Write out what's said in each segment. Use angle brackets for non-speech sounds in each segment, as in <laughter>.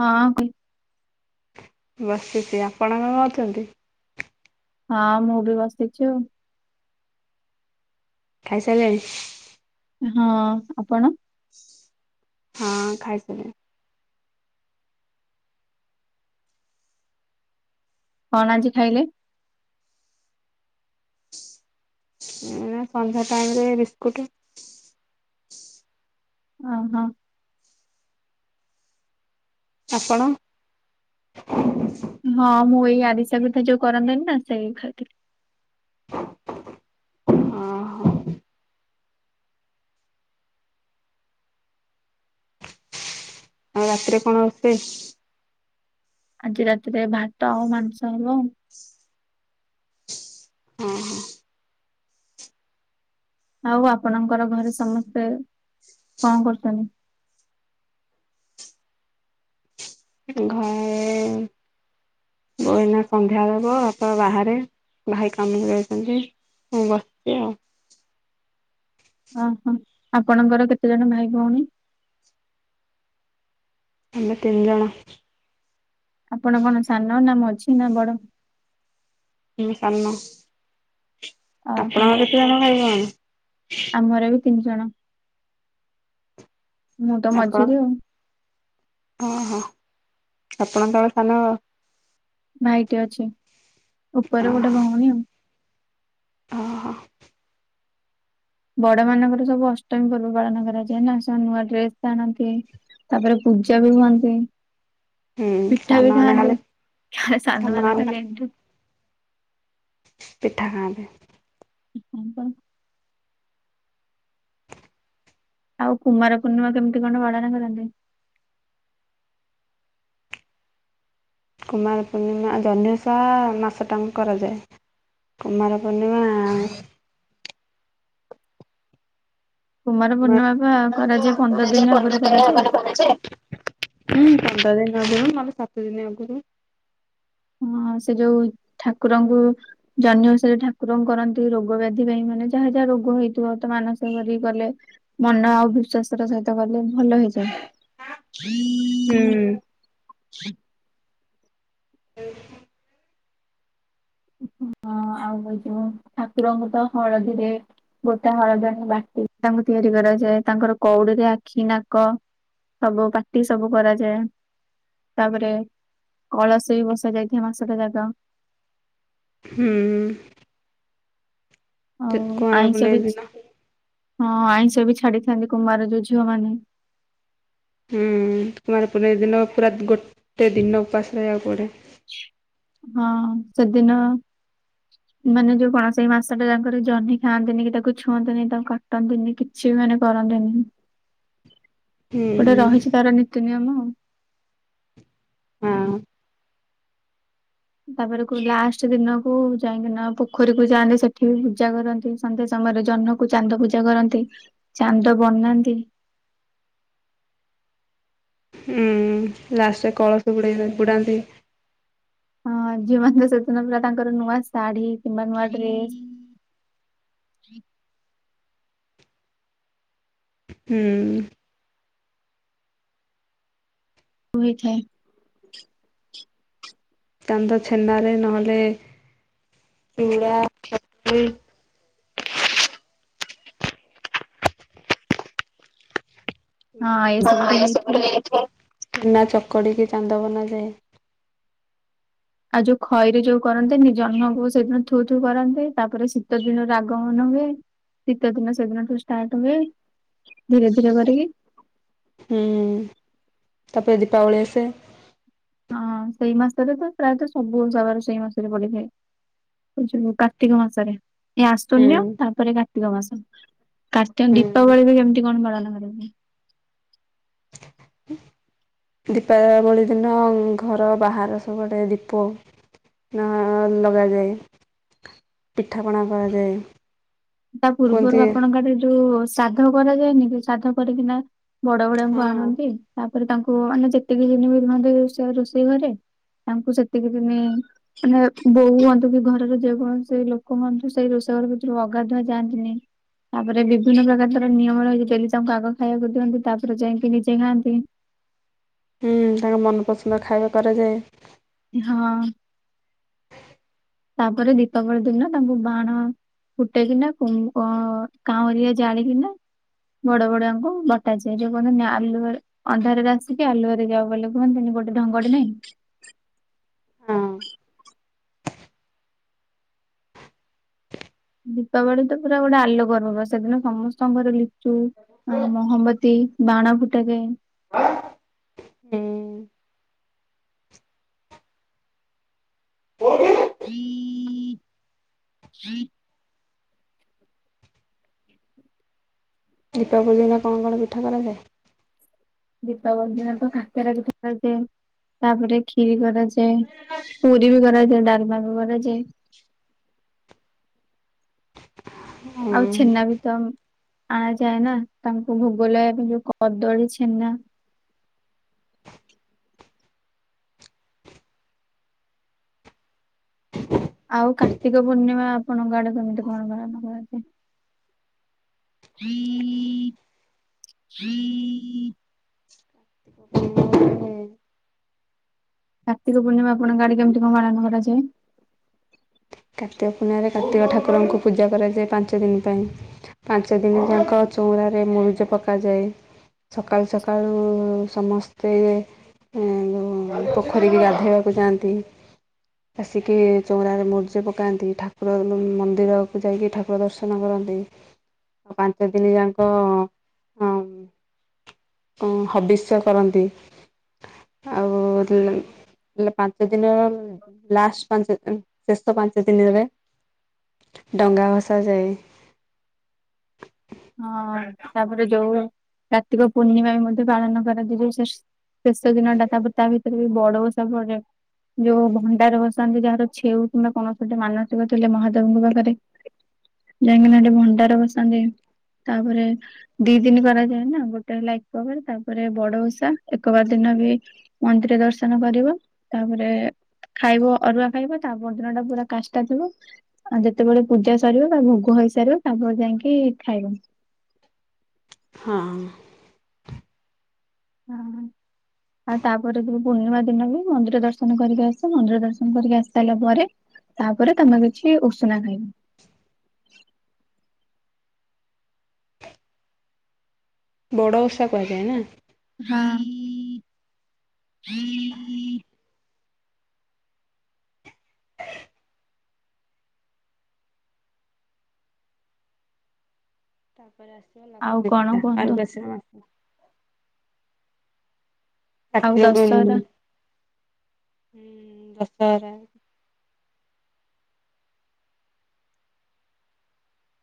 ହଁ କୁ ବସିଛି ଆପଣ କଣ କରୁଛନ୍ତି? ହଁ ମୁଁ ବି ବସିଛି ଆଉ। ଖାଇ ସାରିଲେଣି। ହଁ ଆପଣ। ହଁ ଖାଇ ସାରିଲିଣି। କଣ ଆଜି ଖାଇଲେ? ଏଇନା ସନ୍ଧ୍ୟା ଟାଇମ ରେ ବିସ୍କୁଟ। ଅ, ହଁ। ଆପଣ! ହଁ, ମୁଁ ଏଇ ଆରିଶା ପିଠା ଯୋଉ କରନ୍ତିନି ନା, ସେଇ ଖାଇଥିଲି। ହଁ। ଆଉ ରାତିରେ କଣ ରୋଷେ? ଆଜି ରାତିରେ ଭାତ ଆଉ ମାଂସ ହବ ଆଉ। ହଁ, ହଁ। ଆଉ, ଆପଣଙ୍କର ଘରେ ସମସ୍ତେ କଣ କରୁଚନି? ଘଏଁ କଇନା ସନ୍ଧ୍ୟାଦେବ, ବାପା ବାହାରେ, ଭାଇ କାମକୁ ଯାଇଛନ୍ତି। ମୁଁ ବସିଛି ଆଉ। ଅହ! ଆପଣଙ୍କର କେତେଜଣ ଭାଇ ଭଉଣୀ? ଆମେ ତିନ୍ ଜଣ। ଆପଣ କଣ ସାନ, ନା ମଝି, ନା ବଡ? ମୁଁ, ସାନ। ଓହୋ ଆପଣଙ୍କର କେତେ ଜଣ ଭାଇ ଭଉଣୀ? ତିନ୍ ଜଣ। ମୁଁ ତ ମଝିରେ ଆଉ। ହଁ, ହଁ, ଆପଣଙ୍କ ତଳେ ସାନ ଭାଇଟିି ଅଛି। ଉପର ଗୋଟେ ଭଉଣୀ ଆଉ। ଅହ। ବଡ ମାନଙ୍କର ସବୁ ଅଷ୍ଟମୀ ପର୍ବ ପାଳନ କରାଯାଏ ନା! ସେମାନେ ନୂଆ ଡ୍ରେସ୍ ଆଣନ୍ତି। ତା'ପରେ ପୂଜା ବି ହୁଅନ୍ତି। ହୁଁ ପିଠା ବି ସାନମାନେ ଖାଆନ୍ତି। ଖାଲି ଖା ସାନ ମାନେ ଖାଲି ଏଠୁ ପିଠା ଖାଆନ୍ତି। <unintelligible> ଆଉ କୁମାର ପୂର୍ଣ୍ଣିମା କେମିତି କଣ ପାଳନ କରନ୍ତି? କୁମାର ପୂର୍ଣ୍ଣିମା ଜହ୍ନି ଓଷା-ଆ ମାସଟାଙ୍କ କରାଯାଏ। କୁମାର ପୂର୍ଣ୍ଣିମା-ଆଁ କୁମାର ମା ପୂର୍ଣ୍ଣିମା ବା <inaudible> ହୁଁ, କରାଯାଏ ଦିନ ପନ୍ଦର ଆଗରୁ କରାଯାଏ ଦିନ ଆଗରୁ, ନହେଲେ ସାତ ଦିନ ଆଗରୁ ହଁ, ସେ ଯୋଉ ଠାକୁରଙ୍କୁ ଜହ୍ନି ଓଷାରେ ଠାକୁରଙ୍କୁ କରନ୍ତି, ରୋଗ ବ୍ୟାଧି ପାଇଁ ମାନେ ଯାହା ଯାହା ରୋଗ ହେଇଥିବ ତ ମାନସ କରିକି କଲେ ମନ ଆଉ ବିଶ୍ୱାସ ସର ସହିତ କଲେ ଭଲ ହୁଁ ହେଇଯାଏ। ଏଇ ରକୁମ୍ ହଁ, ଆଉ <unintelligible> ଠାକୁରଙ୍କୁ ତ ହଳଦୀରେ ଗୋଟା ହଳଦଆଣି ବାଟି ତାଙ୍କୁ ତିଆରି କରାଯାଏ। ତାଙ୍କର କଉଡିରେ ଆଖି, ନାକ ସବୁ ପାର୍ଟି ସବୁ କରାଯାଏ। ତା'ପରେ କଳସ ବି ବସା ଯାଇଥିବ, ମାସଟା ଜାକ। ହୁଁ-ଉଁ। ଆଉ କୁଆଁର ଆଇଁଷ ପୁନେଇ ବି ଚି ଦିନ ହଁ, ଆଇଁଷ ବି ଛାଡିଥାନ୍ତି, କୁମାର ଯୋଉ ଝିଅମାନେ ହୁଁ, କୁମାର ପୁନେଇ ଦିନ ପୁରା ଗୋଟେ ଦିନ, ଉପାସ ରହିଆକୁ ପଡ଼େ। ହଁ, ସେଦିନ ହ ମାନେ ଯୋଉ କଣ? ସେଇ ମାସଟା ଯାଙ୍କର ଜହ୍ନି ଖାଆନ୍ତିନି, କି ତାକୁ ଛୁଅନ୍ତିନି, ତାକୁ କାଟନ୍ତିନି କି ଛି ମାନେ କରନ୍ତିନି। ହୁଁ ଗୋଟେ ରହିଛି ତାର ନୀତି ନିୟମ। ହଁ ତାପରେ କୁ ଲାଷ୍ଟ ଦିନକୁ ଯାଇକିନା ପୋଖରୀକୁୁ ଯାଆନ୍ତି ସେଠି ପୂଜା କରନ୍ତି। ସନ୍ଧ୍ୟା ସମୟରେ ଜହ୍ନକୁ ଚାନ୍ଦ ପୂଜା କରନ୍ତି ଚାନ୍ଦ ବନ୍ଦାନ୍ତି। ହୁଁ। ଲାଷ୍ଟରେ କଳସ ବୁଡେ ବୁଡାନ୍ତି। ହଁ ଝିଅମାନେ ତ ସେଦିନ ପୁରା ତାଙ୍କର ନୂଆ ଶାଢୀ କିମ୍ବା ନୂଆ ଡ୍ରେସ ହୁଁ। ହୋଇ ଥାଏ। ଚାନ୍ଦ ଛେନାରେ ନହେଲେ ଚୁଡା କଦଳୀ ହଁ ଚୁଡ଼ା ଏସବୁରେ ହେଇଥାଏ କ ଛେନା ଚକଡିକି ଚାନ୍ଦ ବନାଯାଏ। ଆଉ ଯୋଉ ଖଇରେ ଯୋଉ କରନ୍ତି ନି ଜହ୍ନକୁ ସେଇଦିନ ଥୁ ଥୁ କରନ୍ତୀ ତାପରେ ଶୀତ ଦିନର ଆଗମନ ହୁଏ। ଶୀତ ଦିନ ସେଦିନଠୁ ଷ୍ଟାର୍ଟ ହୁଏ ଧୀରେ ଧୀରେ କରିକି। ହୁଁ। ତାପରେ ଦୀପାବଳି ଆସେ। ହଁ ସେଇ ମାସରେ ତ ପ୍ରାୟତଃ ସବୁ ଓସବାର ସେଇ ମାସରେ ପଡିଥାଏ। ଏ ଯଉ କାର୍ତ୍ତିକ ମାସରେ। ଏ ହୁଁ ଆଶୁନ୍ୟ ତାପରେ କାର୍ତ୍ତିକ ମାସ କାର୍ତ୍ତିକ ହୁଁ। ଦୀପାବଳି ବି କେମିତି କଣ ପାଳନ କରିନ୍ତି। ଦୀପାବଳି ଦିନ ଘର ବାହାର ସବୁଆଡ଼େ ଦୀପ ନ ଲଗାଯାଏ ପିଠାପଣା କରାଯାଏ। ତା କୁହନ୍ତି ପୂର୍ବରୁ ଆପଣଙ୍କ ଆଡେ ଯୋଉ ଶ୍ରାଧ କରାଯାଏନିକି ଶ୍ରାଧ କରିକିନା ବଡ ହଁ ବଡବଡୁଆଙ୍କୁ ଆଣନ୍ତି ତାପରେ ତାଙ୍କୁ ମାନେ ଯେତିକିଦିନି ବି ରୁହନ୍ତି ରୋଷ ରୋଷେଇ ଘରେ ତାଙ୍କୁ ସେତିକି ଦିନି ମାନେ ବୋହୂ ହୁଅନ୍ତୁକି ଘରର ଯେକୌଣସି ଲୋକ ହୁଅନ୍ତୁ ସେଇ ରୋଷେଇ ଘରଭିତରୁକୁ ଅଗ ଗାଧୁଆ ଯାଆନ୍ତିନି। ତାପରେ ବିଭିନ୍ନ ପ୍ରକାର ତାର ନିୟମ ରହିଛି ଡେଲିତାଙ୍କୁ ଆଗ ଖାଇବାକୁ ଦିଅନ୍ତି ତାପରେ ଯାଇକି ନିଜେ ଖାଆନ୍ତି। ହୁଁ ତାଙ୍କ ମନପସନ୍ଦ ଖାଇବା କରାଯାଏ। ହଁ। ତାପରେ ଦୀପାବଳି ଦିନ ତାଙ୍କୁ ବାଣ ଫୁଟେଇକିିନା କ କାଉଁରିଆ ଜାଳିକିନା ବଡ ବଡୁଆଙ୍କୁ ବଟାଯାଏ ଯୋଉ କୁହନ୍ତିନି ଆଲୁଅରେ ଅନ୍ଧାରରେ ଆସିକି ଆଲୁଅରେ ଯାଅ ବୋଲି କୁହନ୍ତିନି ଗୋଟେ ଢଙ୍ଗଟେ ନାହିଁ? ହଁ ଦୀପାବଳି ତ ପୁରା ଗୋଟେ ଆଲୋକର ପର୍ବ ସେଦିନ ସମସ୍ତଙ୍କର ଲିଚୁ ଅଁ ମହମମ୍ବତି ବାଣ ଫୁଟାଯାଏ। ହୁଁ। <inaudible> ଦୀପାବଳି ଦିନ କଣ କଣ ପିଠା କରାଯାଏ? ଦୀପାବଳି ଦିନ ତ କାକରା ପିଠା କରାଯାଏ ତାପରେ କ୍ଷିରି କରାଯାଏ। ପୁରୀ ବି କରାଯାଏ ଡାଲମା ବି କରାଯାଏ। ଆଉ ଛେନା ବି ତମ ଆଣାଯାଏ ନା। ତାଙ୍କୁ ଭୋଗ ଲଗେଇବା ପାଇଁ ଯୋଉ କଦଳୀ ଛେନା ଆଉ କାର୍ତ୍ତିକ ପୂର୍ଣ୍ଣିମା ଆପଣଙ୍କ ଆଡେ କେମିତି କଣ ପାଳନ କରାଯାଏ? <inaudible> <unintelligible> କାର୍ତ୍ତିକ ପୂର୍ଣ୍ଣିମା ଆପଣଙ୍କ ଆଡ଼େ କେମିତି କଣ ପାଳନ କରାଯାଏ? କାର୍ତ୍ତିକ ପୂର୍ଣ୍ଣିମା ରେ କାର୍ତ୍ତିକ ଠାକୁରଙ୍କୁ ପୂଜା କରାଯାଏ ପାଞ୍ଚ ଦିନି ପାଇଁ। ପାଞ୍ଚ ଦିନି ଯାକ ଚଉଁରାରେ ମୁରୁଜ ପକାଯାଏ। ସକାଳୁ, ସକାଳୁ ସମସ୍ତେ ଏ ଯୋଉ ପୋଖରୀକୁ ଗାଧୋଇବାକୁ ଯାଆନ୍ତି। ଆସିକି ଚଉଁରାରେ ମୁ ମୁରୁଜ ପକାନ୍ତି। ଠାକୁର ଘର ଉମ୍ ମନ୍ଦିରକୁ ଯାଇକି ଠାକୁର ଦର୍ଶନ କରନ୍ତି। ପାଞ୍ଚ ଦିନି ଯାକ ଅ ଅ ଅ ହବିଷ୍ୟ କରନ୍ତି। ଆଉ ପାଞ୍ଚ ଦିନ ର ଲାଷ୍ଟ ପାଞ୍ଚ ଦିନ ଶେଷ ପାଞ୍ଚ ଦିନ ରେ ଡଙ୍ଗା ଭସା ଯାଏ। ହଁ, ତାପରେ ଯୋଉ କାର୍ତ୍ତିକ ପୂର୍ଣ୍ଣିମା ବି ମଧ୍ୟ ପାଳନ କରାଯାଏ ସେ ଶେଷ ଦିନଟା ତାପରେ ତା ଭିତରେ ବି ବଡ ଓଷା ପଡେ। ଯୋଉ ଭଣ୍ଡାର ବସନ୍ତି ଯାହାର ଛେଉ କିମ୍ବା କୌଣସି ଗୋଟେ ମାନସିକ ଥିଲେ ମହାଦେବଙ୍କ ପାଖରେ। ଯାଇକିନା ହେଠି ଭଣ୍ଡାର ବସାନ୍ତି। ତାପରେ ଦି ଦିନ କରାଯାଏ ନା, ଗୋଟେ ହେଲା ଏକବାର, ତାପରେ ବଡ ଓଷା, ଏକବାର ଦିନ ବି ମନ୍ଦିର ଦର୍ଶନ କରିବ, ତାପରେ ଖାଇବ, ଅରୁଆ ଖାଇବ ତା ପରଦିନ ଟା ପୁରା କାଷ୍ଟା ଥିବ। ଆଉ ଯେତେବେଳେ ପୂଜା ସରିବ ତା ଭୋଗ ହେଇସାରିବ ତା ପେର ଯାଇକି ଖାଇବ। ହଁ ହଁ ଆଉ ତାପରେ ବି ପୂର୍ଣ୍ଣିମା ଦିନ ବି ମନ୍ଦିର ଦର୍ଶନ କରିକି ଆସ, ମନ୍ଦିର ଦର୍ଶନ କରିକି ଆସି ସାରିଲା ପରେ ତାପରେ ତମେ କିଛି ଉଷୁନା ଖାଇବ। ବଡ଼ ଓଷା କୁହାଯାଏ ନା। ହଁ। ତା ପରେ ଆସିଗଲା ଆଉ କଣ କୁହନ୍ତୁ <unintelligible> ଆଉ କାର୍ତ୍ତୀକ ପୁନେଇ, ଦଶହରା ହୁଁ ଦଶହରା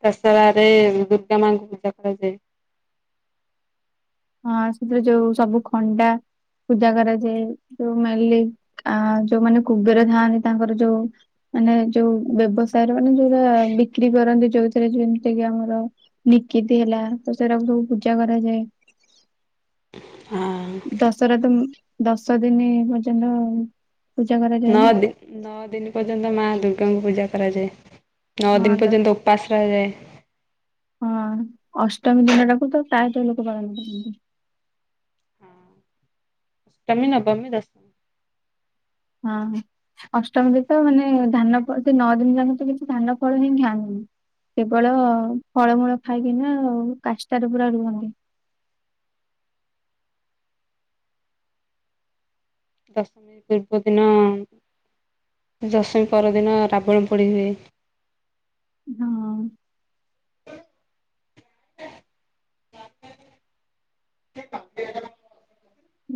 ଦଶହରାରେ ରେ ଦୁର୍ଗା ମାଙ୍କୁ ପୂଜା କରାଯାଏ। ହଁ ସେଥିରେ ଯୋଉ ସବୁ ଖଣ୍ଡା ପୂଜା କରାଯାଏ, ଯୋଉ ମେଲି ଯୋଉମାନେ କୁବେର ଥାଆନ୍ତି ତାଙ୍କର ଯୋଉ ମାନେ ଯୋଉ ବ୍ୟବସାୟରେ ମାନେ ଯୋଉଟା ବିକ୍ରି କରନ୍ତି ଯୋଉଥିରେ ଯେମିତି କି ଆମର ନିକିତି ହେଲା ତ ସେରାକୁ ସବୁ ପୂଜା କରାଯାଏ। ଆଉ ଦଶରା ତ ଦଶ ଦିନ ପର୍ଯ୍ୟନ୍ତ ଆଉ। ନଅ ଦିନ ନଅ ଦିନି ପର୍ଯ୍ୟନ୍ତ ମା ଦୁର୍ଗାଙ୍କୁ ପୂଜା କରାଯାଏ, ନଅ ହଁ ଦିନ ଦଶ ପର୍ଯ୍ୟନ୍ତ ଉ ପାସ ରହାଯାଏ। ହଁ, ଅଷ୍ଟମୀ ଦିନ ଟାକୁ ତ ପ୍ରାୟତଃ ଲୋକ ପାଳନ କରନ୍ତି। ଅଷ୍ଟମୀ, ନବମି, ଦସମୀ ହଁ ଅଷ୍ଟମୀ ରେ ତ ମାନେ ଧାନ ଫଳ ନଅ ଦିନ ଯାକ ତ କିଛି ଧାନ ଫଳ ହିଁ ଖାଆନ୍ତିନି। କେବଳ ଫଳମୂଳ ଖାଇକିନା କାଷ୍ଟାରେ ପୁରା ରୁହନ୍ତି। ଦଶମୀ ପୂର୍ବ ଦିନ ଦଶମୀ ପରଦିନ ରାବଣ ପୋଡି ହୁଏ। ହଁ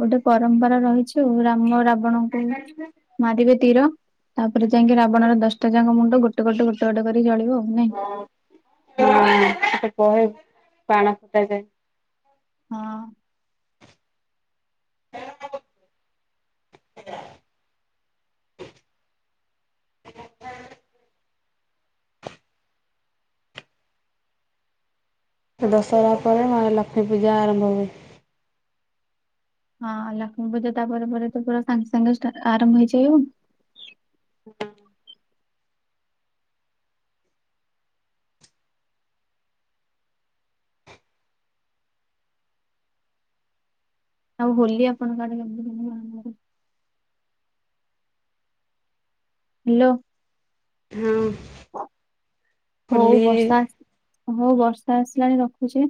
ଗୋଟେ ପରମ୍ପରା ରହିଛି ଆଉ, ରାମ ରାବଣଙ୍କୁ ମାରିବେ ତୀର। ତାପରେ ଯାଇକି ରାବଣର ଦଶଟା ଯାକ ମୁଣ୍ଡ ଗୋଟେ, ଗଟେ ଗୋଟେ, ଗୋଟେ କରି ଚଳିବ ଆଉ ନାଇଁ। ହଁ ସେ ତ ବହେ ବାଣ ଫୁଟା ଯାଏ। ହଁ। <unintelligible> <unintelligible> ହାଲୋ ସାରେ ଆପଣ ମହାଲକ୍ଷ୍ମୀ ପୂଜା ଆରମ୍ଭ ହୁଏ। ହଁ ଲକ୍ଷ୍ମୀ ପୂଜା ତାପରେ ପରେ ତ ପୁରା ସାଙ୍ଗେ ସାଙ୍ଗେ ଷ୍ଟା ଆରମ୍ଭ ହେଇଯାଏ ଆଉ ହୁଁ। ଆଉ ହୋଲି ଆପଣଙ୍କ ଆଡେ କେମିତି <inaudible> ହେଲୋ। ହଁ। ହଉ ହୋଲି ବର୍ଷା। ହଉ ବର୍ଷା ଆସିଲାଣି ରଖୁଛି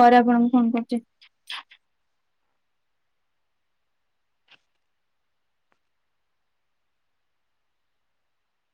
ପରେ ଆପଣଙ୍କୁ ଫୋନ କରୁଛି।